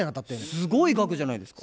すごい額じゃないですか。